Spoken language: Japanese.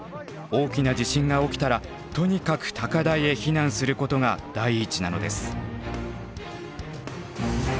大きな地震が起きたらとにかく高台へ避難することが第一なのです。